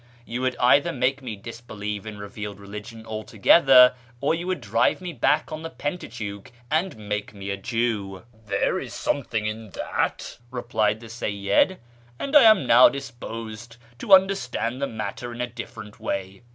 You would either make me disbelieve in revealed religion altogether, or you would drive me back on the Pentateuch and make me a Jew." " There is something in that," replied the Seyyid, " and I am now disposed to understand the matter in a different way.